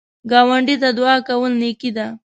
ګاونډي ته دعا کول نیکی ده